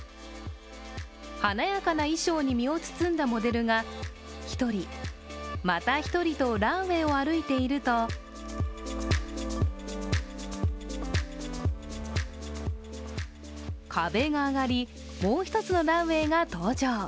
華やかな衣装に身を包んだモデルが一人、また一人とランウェイを歩いていると壁が上がり、もう一つのランウェイが登場。